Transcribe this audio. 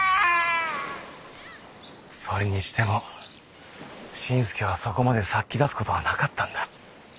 それにしても新助はそこまで殺気立つことはなかったんだ。